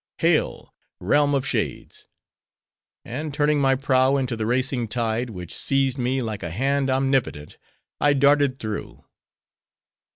Hail! realm of shades!"—and turning my prow into the racing tide, which seized me like a hand omnipotent, I darted through.